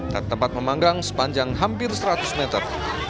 dan tempat memanggang sepanjang hampir seratus meter